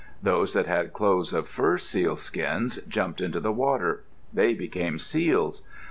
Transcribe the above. Those that had clothes of fur seal skins jumped into the water; they became seals.